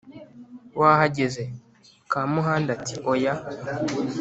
Wahageze?” Kamuhanda ati: “Oya